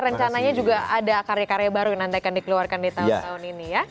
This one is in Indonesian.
rencananya juga ada karya karya baru yang nanti akan dikeluarkan di tahun tahun ini ya